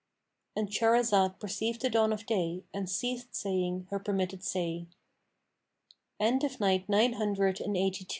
'"—And Shahrazad perceived the dawn of day and ceased saying her permitted say. When it was the Nine Hundred and